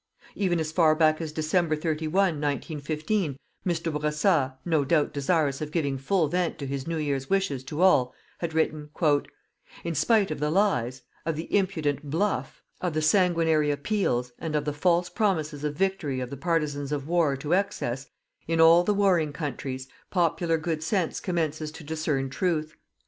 Even as far back as December 31, 1915, Mr. Bourassa, no doubt desirous of giving full vent to his new year's wishes to all, had written: "_In spite of the lies, of the impudent "bluff," of the sanguinary appeals and of the false promises of victory of the partisans of war to excess, in all the warring countries, popular good sense commences to discern truth....